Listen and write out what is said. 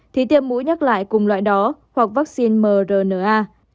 thì tiêm mũi nhắc lại cùng loại đó hoặc vaccine mrna